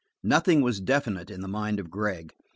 Nothing was definite in the mind of Gregg.